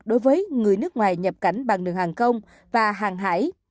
đối với người nước ngoài nhập cảnh bằng đường hàng không và hàng hải